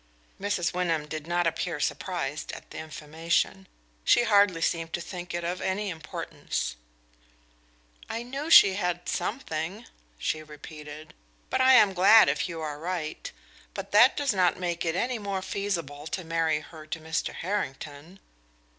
Mrs. Wyndham did not appear surprised at the information; she hardly seemed to think it of any importance. "I knew she had something," she repeated; "but I am glad if you are right. But that does not make it any more feasible to marry her to Mr. Harrington."